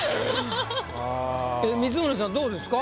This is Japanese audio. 光宗さんどうですか？